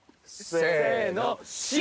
せの。